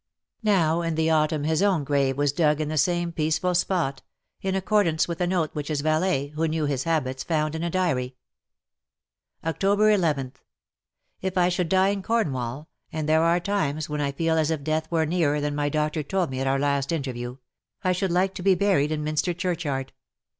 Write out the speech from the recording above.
Now in the autumn his own grave was dug in the same peaceful spot — in accordance with a note which his valet, who knew his habits^ found in a diary. ^^ Oct. 11. — If I should die in Cornwall — and there are times when I feel as if death were nearer than my doctor told me at our last interview — I should like to be buried in Minster Churchyard.